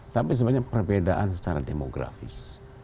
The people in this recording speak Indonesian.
tapi sebenarnya perbedaan secara demografis